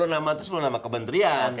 sepuluh nama itu sepuluh nama kementerian